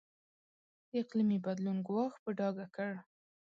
د اقلیمي بدلون ګواښ په ډاګه کړ.